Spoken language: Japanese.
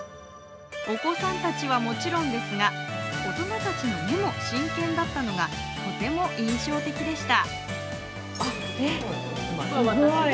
お子さんたちはもちろんですが、大人たちの目も真剣だったのがとても印象的でした。